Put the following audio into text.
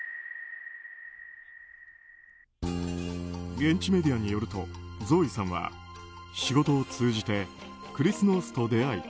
現地メディアによるとゾーイさんは仕事を通じてクリス・ノースと出会い